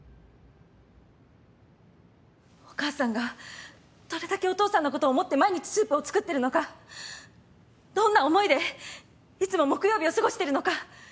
お母さんがどれだけお父さんのことを思って毎日スープを作ってるのかどんな思いでいつも木曜日を過ごしてるのか。